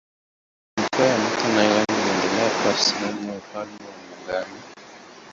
Mikoa ya Northern Ireland iliendelea kuwa sehemu za Ufalme wa Muungano.